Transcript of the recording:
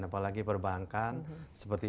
apalagi perbankan seperti